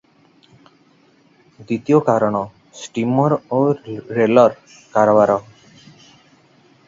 ଦ୍ୱିତୀୟ କାରଣ ଷ୍ଟିମର ଓ ରେଲର କାରବାର ।